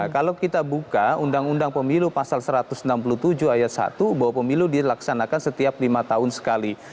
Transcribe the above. kalau kita buka undang undang pemilu pasal satu ratus enam puluh tujuh ayat satu bahwa pemilu dilaksanakan setiap lima tahun sekali